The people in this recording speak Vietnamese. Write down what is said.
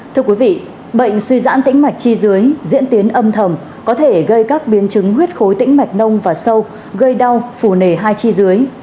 thưa quý vị bệnh suy giãn tính mạch chi dưới diễn tiến âm thầm có thể gây các biến chứng huyết khối tĩnh mạch nông và sâu gây đau phù nề hai chi dưới